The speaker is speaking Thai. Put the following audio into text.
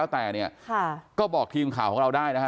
ก็กลายเป็นว่าติดต่อพี่น้องคู่นี้ไม่ได้เลยค่ะ